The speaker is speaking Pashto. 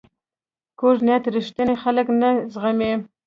کوږ نیت رښتیني خلک نه زغمي